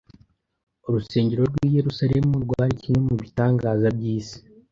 urusengero rw'i Yerusalemu rwari kimwe mu bitangaza by'isi.